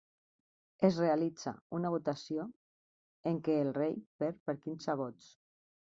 Es realitza una votació en què el rei perd per quinze vots.